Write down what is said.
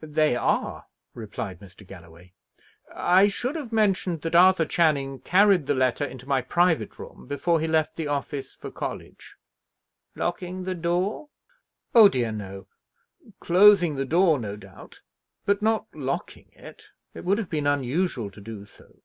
"They are," replied Mr. Galloway. "I should have mentioned that Arthur Channing carried the letter into my private room before he left the office for college." "Locking the door?" "Oh dear, no! Closing the door, no doubt, but not locking it. It would have been unusual to do so."